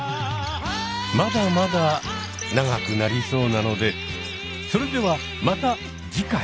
まだまだ長くなりそうなのでそれではまた次回！